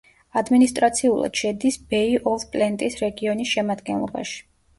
ადმინისტრაციულად შედის ბეი-ოვ-პლენტის რეგიონის შემადგენლობაში.